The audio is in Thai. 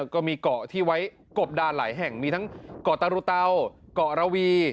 ก็มีเกาะที่ไว้กบดานหลายแห่งมีทั้งเกาะตารุเตาเกาะระวี